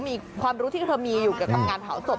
มีความรู้ที่เธอมีอยู่กับมัน